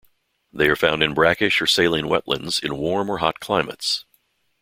They are found in brackish or saline wetlands in warm or hot climates.